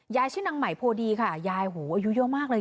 ชื่อนางใหม่โพดีค่ะยายหูอายุเยอะมากเลย